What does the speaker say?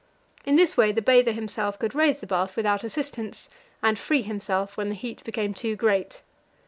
In this way the bather himself could raise the bath without assistance, and free himself when the heat became too great.